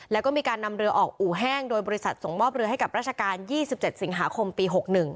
แล้วก็มีการนำเรือออกอู่แห้งโดยบริษัทส่งมอบเรือให้กับราชการ๒๗สิงหาคมปี๖๑